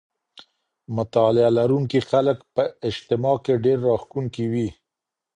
مطالعه لرونکي خلګ په اجتماع کي ډېر راښکونکي وي.